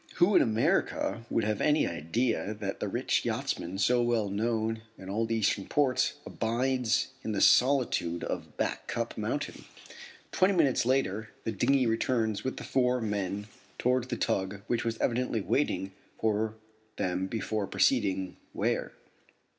Who in America would have any idea that the rich yachtsman so well known in all the eastern ports abides in the solitude of Back Cup mountain? Twenty minutes later the dinghy returns with the four men towards the tug which was evidently waiting for them before proceeding where?